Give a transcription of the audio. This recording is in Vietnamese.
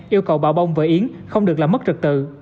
yêu cầu bà bông và yến không được làm mất trực tự